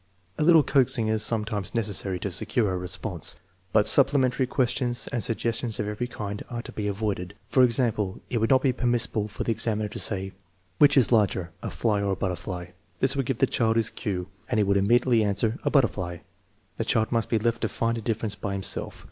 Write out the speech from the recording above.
A little coaxing is sometimes necessary to secure a response, but supplemen tary questions and suggestions of every kind are to be avoided. For example, it would not be permissible for the examiner to say: " Which is larger, a fly or a butterfly ?" This would give the child his cue and he would immediately answer, " A butterfly." The child must be left to find a difference by himself.